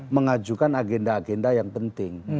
mengajukan agenda agenda yang penting